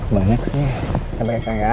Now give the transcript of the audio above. banyak sih sabar ya sayang ya